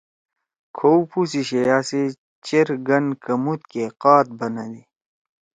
کھؤ پُو سی شئیا سی چیر گن کمُود کے قحط بندی۔